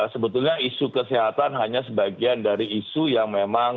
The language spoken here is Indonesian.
sebetulnya isu kesehatan hanya sebagian dari isu yang memang